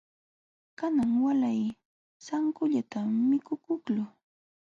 Kanan waalay sankullatam mikukuqluu.